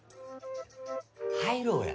入ろうや。